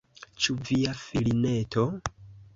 Ĉu via filineto?